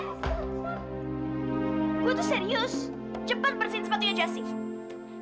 gue tuh serius cepat bersihin sepatunya jassie